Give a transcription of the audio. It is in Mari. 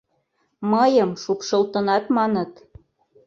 — Мыйым шупшылтынат маныт.